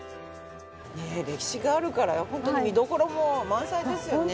歴史があるから本当に見どころも満載ですよね。